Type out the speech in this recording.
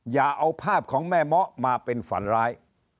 อย่าเอาภาพของแม่เมาะมาเป็นฝันร้าย